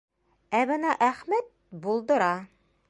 Ә бына Әхмәт булдыра.